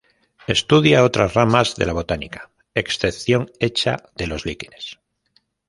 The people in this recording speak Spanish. Estudia otras ramas de la botánica, excepción hecha de los líquenes.